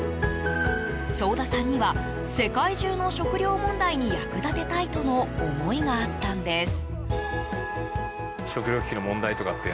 早田さんには世界中の食料問題に役立てたいとの思いがあったんです。